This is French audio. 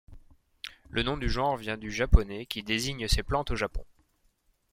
Le nom du genre vient du japonais qui désigne ces plantes au Japon.